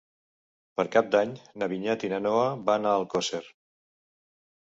Per Cap d'Any na Vinyet i na Noa van a Alcosser.